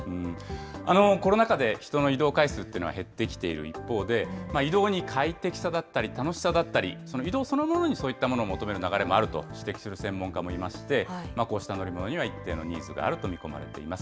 コロナ禍で人の移動回数っていうのは減ってきている一方で、移動に快適さだったり、楽しさだったり、移動そのものにそういったものを求める流れもあると指摘する専門家もいまして、こうした乗り物には一定のニーズがあると見込まれています。